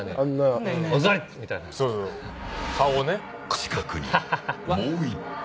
近くに、もう１体。